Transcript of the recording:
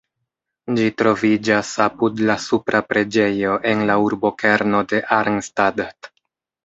Ĝi troviĝas apud la Supra preĝejo en la urbokerno de Arnstadt.